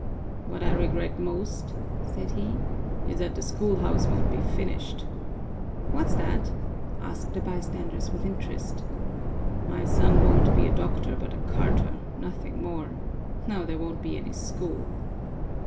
"What I regret most," said he, "is that the schoolhouse won't be finished." "What's that?" asked the bystanders with interest. "My son won't be a doctor but a carter, nothing more! Now there won't be any school!"